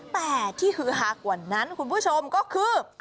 แต่ที่ฮือฮากว่านั้นคุณผู้ชมก็คือ